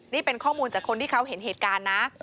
นี่เป็นข้อมูลจากคนที่เขาเห็นเหตุการณ์นะ